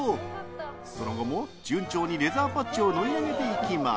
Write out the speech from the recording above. その後も順調にレザーパッチを縫い上げていきます。